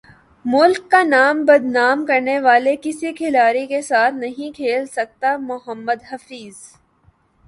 ملک کا نام بدنام کرنے والے کسی کھلاڑی کے ساتھ نہیں کھیل سکتا محمد حفیظ